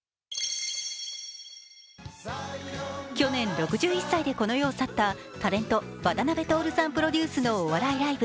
去年、６１歳でこの世を去ったタレント・渡辺徹さんプロデュースのお笑いライブ。